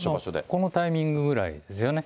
このタイミングぐらいですよね。